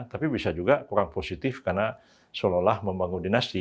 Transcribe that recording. tapi bisa juga kurang positif karena seolah olah membangun dinasti